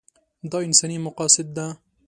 دا انساني مقاصد ده.